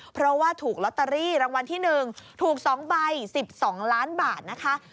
เพราะว่าถูกลอตเตอรี่รางวัลที่๑ถูก๒ใบ๑๒ล้านบาทนะคะ